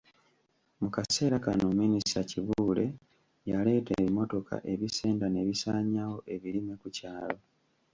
Mu kaseera kano Minisita Kibuule yaleeta ebimotoka ebisenda ne bisaanyaawo ebirime ku kyalo.